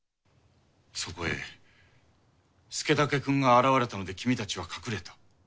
そこへ佐武くんが現れたので君たちは隠れた。